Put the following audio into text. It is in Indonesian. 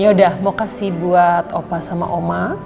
yaudah mau kasih buat opa sama oma